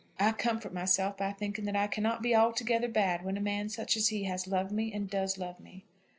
I comfort myself by thinking that I cannot be altogether bad when a man such as he has loved me and does love me."